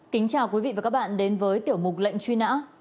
kính chào quý vị và các bạn đến với tiểu mục lệnh truy nã